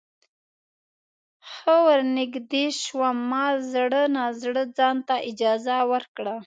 ښه ورنږدې شوم ما زړه نا زړه ځانته اجازه ورکړه.